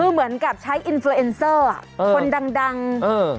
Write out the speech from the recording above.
คือเหมือนกับใช้อินเฟอร์เอ็นเซอร์อ่ะคนดังดังเออ